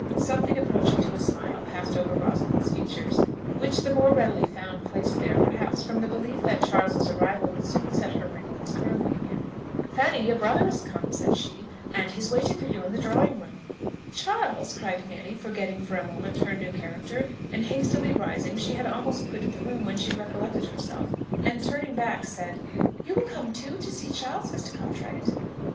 Something approaching to a smile passed over Rosalind's features, which the more readily found place there, perhaps, from the belief that Charles's arrival would soon set her ringlets curling again. "Fanny, your brother is come," said she, "and he is waiting for you in the drawing room." "Charles?" cried Fanny, forgetting for a moment her new character; and hastily rising she had almost quitted the room, when she recollected herself, and turning back, said, "You will come too, to see Charles, Mr. Cartwright?"